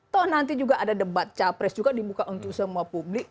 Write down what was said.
toh nanti juga ada debat capres juga dibuka untuk semua publik